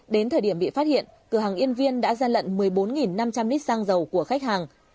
đến thời điểm bị phát hiện cửa hàng yên viên đã ra lận một mươi bốn năm trăm linh lít xăng dầu của khách hàng